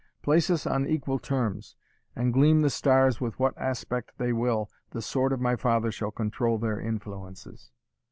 Place us on equal terms, and gleam the stars with what aspect they will, the sword of my father shall control their influences."